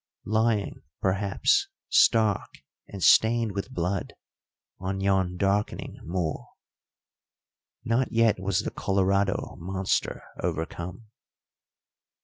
Lying, perhaps, stark and stained with blood on yon darkening moor. Not yet was the Colorado monster overcome.